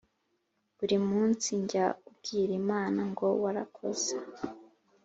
Buri munsi jya ubwira imana ngo warakoze